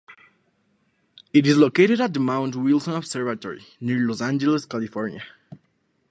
It is located at the Mount Wilson Observatory, near Los Angeles, California.